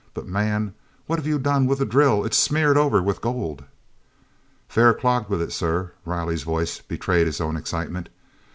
"But, man, what have you done with the drill? It's smeared over with gold!" "Fair clogged wid it, sir," Riley's voice betrayed his own excitement.